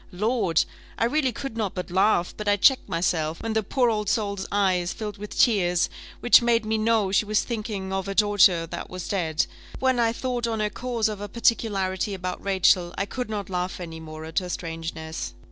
Lord! I really could not but laugh; but I checked myself, when the poor old soul's eyes filled with tears, which made me know she was thinking of her daughter that was dead. When I thought on the cause of her particularity about Rachel, I could not laugh any more at her strangeness.